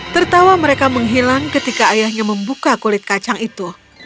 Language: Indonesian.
tertawa mereka menghilang ketika ayahnya membuka kulit kacang itu